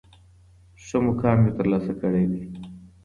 ښه مقام یې تر لاسه کړی دی.